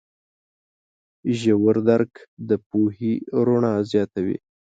ژور درک د پوهې رڼا زیاتوي.